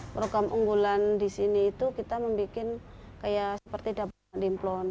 program unggulan di sini itu kita membuat kayak seperti dapur dimplon